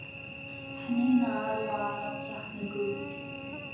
Ҳнеины аруаа раԥхьа ҳнагылоит.